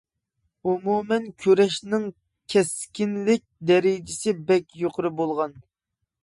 ئومۇمەن كۈرەشنىڭ كەسكىنلىك دەرىجىسى بەك يۇقىرى بولغان.